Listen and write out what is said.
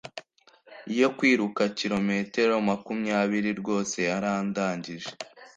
Iyo kwiruka kilometero makumyabiri rwose yarandangije.